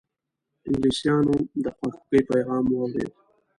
انګلیسیانو د خواخوږی پیغام واورېد.